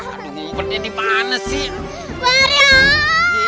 aduh ngumpetnya dipanes sih